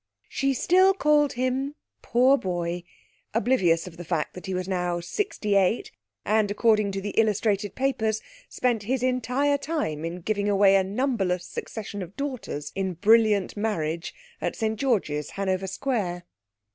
She still called him poor boy, oblivious of the fact that he was now sixty eight, and, according to the illustrated papers, spent his entire time in giving away a numberless succession of daughters in brilliant marriage at St George's, Hanover Square.